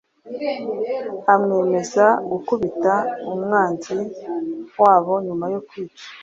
amwemeza gukubita umwanzi wabo Nyuma yo kwica